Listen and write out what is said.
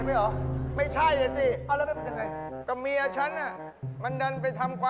นี่แหละเออก็ไม่เห็นนี่แหวะ